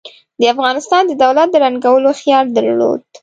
د افغانستان د دولت د ړنګولو خیال درلود.